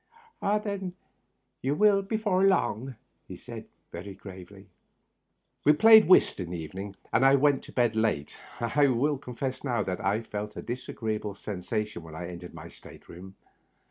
"Then you will before long," he said, very grave "We played whist in the evening, and I went to bed late. I will confess now that I felt a disagreeable sensa tion when I entered my state room.